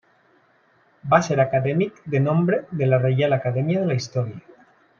Va ser acadèmic de nombre de la Reial Acadèmia de la Història.